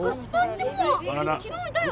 昨日いたよ。